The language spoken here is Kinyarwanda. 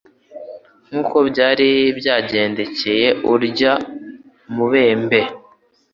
Nk'uko byari byaragendekcye urya mubembe,